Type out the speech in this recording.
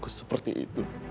aku seperti itu